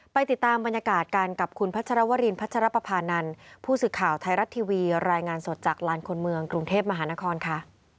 ไปติดตามบรรยากาศกันกับคุณพัชรวรินพัชรปภานันผู้สื่อข่าวไทยรัฐทีวีรายงานสดจากลานคนเมืองกรุงเทพมหานครค่ะ